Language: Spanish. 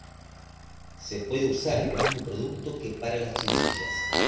Se puede usar el mismo producto que para las chinchillas.